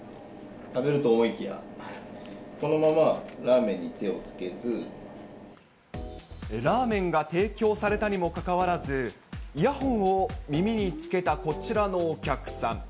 食べると思いきや、ラーメンが提供されたにもかかわらず、イヤホンを耳につけたこちらのお客さん。